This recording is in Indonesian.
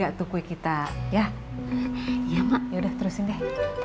jadinya tuh kue kita ya ya mak ya udah terusin deh